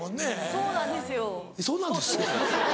「そうなんですよ」。